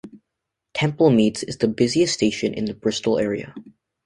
Temple Meads is the busiest station in the Bristol area.